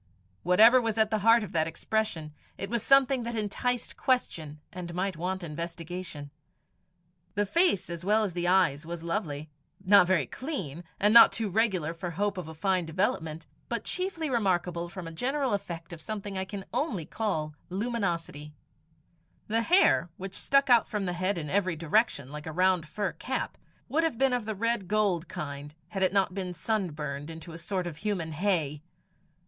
Whatever was at the heart of that expression, it was something that enticed question and might want investigation. The face as well as the eyes was lovely not very clean, and not too regular for hope of a fine development, but chiefly remarkable from a general effect of something I can only call luminosity. The hair, which stuck out from his head in every direction, like a round fur cap, would have been of the red gold kind, had it not been sunburned into a sort of human hay.